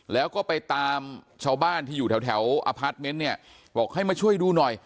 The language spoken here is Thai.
แล้วก็ไปตามชาวบ้านที่อยู่แถวอพาร์ทเมนต์เนี่ยบอกให้มาช่วยดูหน่อย